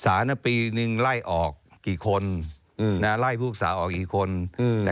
สานนะปีนึงไล่ออกกี่คนไล่พูดศาสนออกกี่คนแต่เขาปิดเงียบเลย